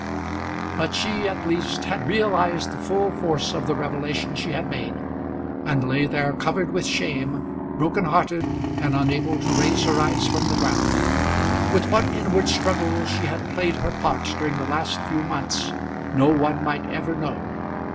But she, at least, had realised the full force of the revelation she had made, and lay there covered with shame, broken hearted, and unable to raise her eyes from the ground. With what inward struggles she had played her part during the last few months, no one might ever know!